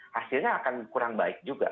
hasilnya akan kurang baik juga